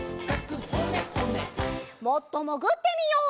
もっともぐってみよう。